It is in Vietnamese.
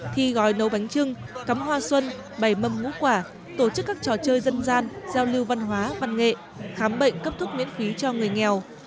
thi gói nấu bánh trưng cắm hoa xuân bày mâm ngũ quả tổ chức các trò chơi dân gian giao lưu văn hóa văn nghệ khám bệnh cấp thuốc miễn phí cho người nghèo